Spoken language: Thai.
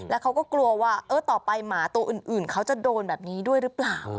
แล้วเขาก็กลัวว่าต่อไปหมาตัวอื่นเขาจะโดนแบบนี้ด้วยหรือเปล่า